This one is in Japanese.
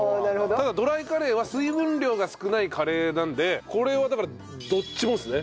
ただドライカレーは水分量が少ないカレーなんでこれはだからどっちもですね。